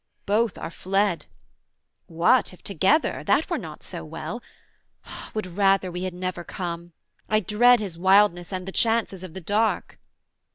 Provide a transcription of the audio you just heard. both are fled: What, if together? that were not so well. Would rather we had never come! I dread His wildness, and the chances of the dark.'